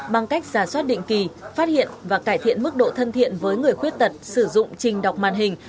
bằng cách giả soát định kỳ phát hiện và cải thiện mức độ thân thiện với người khuyết tật sử dụng trình đọc màn hình